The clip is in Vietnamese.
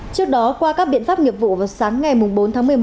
trước đó qua các biện pháp nghiệp vụ vào sáng ngày bốn tháng một mươi một